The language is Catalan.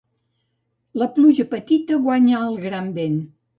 La pluja petita guanya el gran vent.